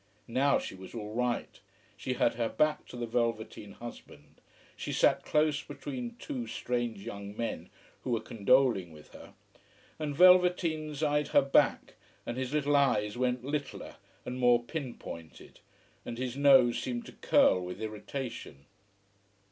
Now she was all right. She had her back to the velveteen husband, she sat close between two strange young men, who were condoling with her. And velveteens eyed her back, and his little eyes went littler and more pin pointed, and his nose seemed to curl with irritation.